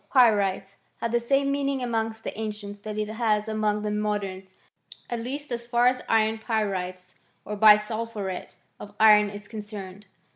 Pyrites had the same meaning among the an cients that it has among the moderns ; at least as far as iron pyrites or bisulphuret of iron is concerned.